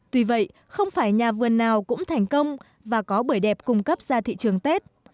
tuy vậy không phải nhà vườn nào cũng thành công và có bưởi đẹp cung cấp ra thị trường tết